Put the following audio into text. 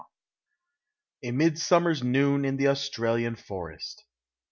A MIDSUMMER'S NOON IN THE AUSTRALIAN FOREST.